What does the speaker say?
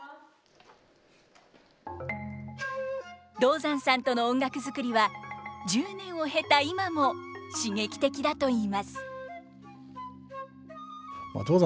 道山さんとの音楽作りは１０年を経た今も刺激的だといいます。